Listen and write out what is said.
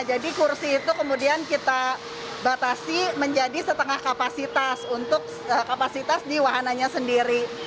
jadi kursi itu kemudian kita batasi menjadi setengah kapasitas untuk kapasitas di wahananya sendiri